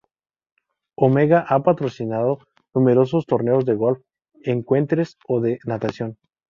Omega ha patrocinado numerosos torneos de golf, ecuestres o de natación.